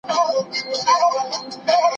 غړو به د هېواد جغرافيايي بشپړتيا ساتلې وي.